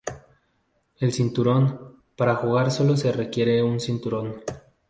El cinturón. Para jugar sólo se requiere un cinturón.